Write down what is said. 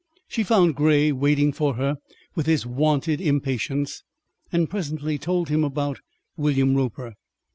She found Grey waiting for her with his wonted impatience, and presently told him about William Roper.